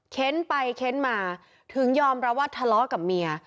เค้นไปเค้นมาถึงยอมรับว่าทะเลาะกับเมีย